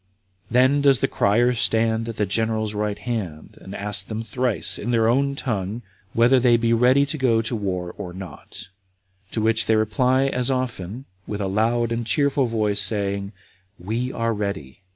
Then does the crier stand at the general's right hand, and asks them thrice, in their own tongue, whether they be now ready to go out to war or not? To which they reply as often, with a loud and cheerful voice, saying, "We are ready."